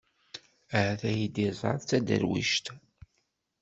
Ahat ad iyi-d-iẓer d taderwict.